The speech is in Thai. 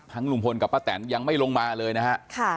ลุงพลกับป้าแตนยังไม่ลงมาเลยนะฮะ